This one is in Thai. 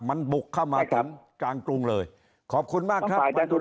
มันบุกเข้ามาถึงกลางกรุงเลยขอบคุณมากครับ